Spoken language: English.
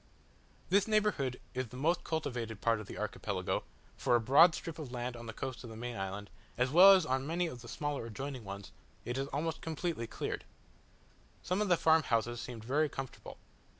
This neighbourhood is the most cultivated part of the Archipelago; for a broad strip of land on the coast of the main island, as well as on many of the smaller adjoining ones, is almost completely cleared. Some of the farm houses seemed very comfortable.